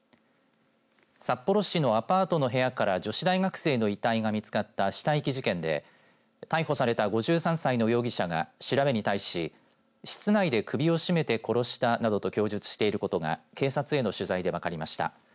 札幌市のアパートの部屋から女子大学生の遺体が見つかった死体遺棄事件で逮捕された５３歳の容疑者が調べに対し室内で首を絞めて殺したなどと供述していることが警察への取材で分かりました。